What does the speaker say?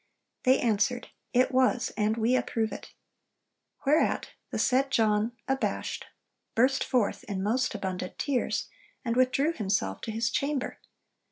They answered, "It was: and we approve it." Whereat the said John, abashed, burst forth in most abundant tears, and withdrew himself to his chamber.